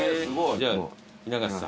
じゃあ雛形さん。